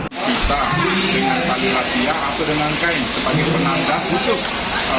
kita dengan tali hadiah atau dengan kain sebagai penanda khusus